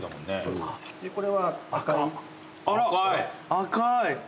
でこれは赤い。